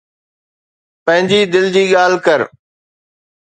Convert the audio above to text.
پنهنجي دل جي ڳالهه ڪر.